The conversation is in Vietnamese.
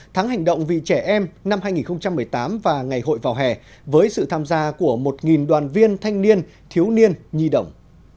tháng hành động vì trẻ em năm hai nghìn một mươi tám và ngày hội vào hè với sự tham gia của một đoàn viên thanh niên thiếu niên nhi đồng